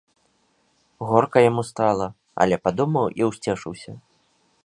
Горка яму стала, але падумаў і ўсцешыўся.